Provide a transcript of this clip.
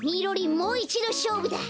もういちどしょうぶだ。